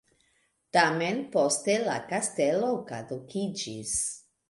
Tamen poste la kastelo kadukiĝis.